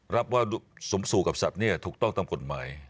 รับว่าสมสูจน์กับศัพท์นี้ถูกต้องตามกฎหมาย